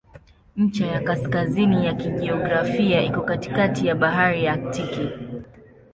Ncha ya kaskazini ya kijiografia iko katikati ya Bahari ya Aktiki.